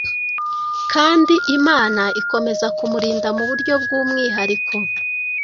kandi Imana ikomeza kumurinda mu buryo bw’umwihariko